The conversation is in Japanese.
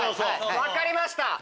分かりました。